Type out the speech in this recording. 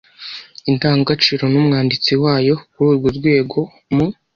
’indangagaciro n’umwanditsi wayo kuri urwo rwego, mu